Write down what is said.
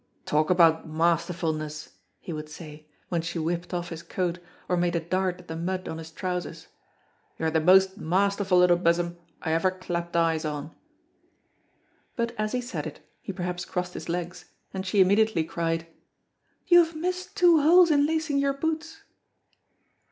"Talk about masterfulness," he would say, when she whipped off his coat or made a dart at the mud on his trousers; "you are the most masterful little besom I ever clapped eyes on." But as he said it he perhaps crossed his legs, and she immediately cried, "You have missed two holes in lacing your boots!"